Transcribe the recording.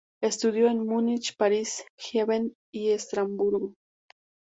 Estudió en Múnich, París, Gießen y Estrasburgo.